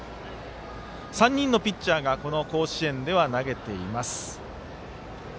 ３人のピッチャーがこの甲子園では投げています。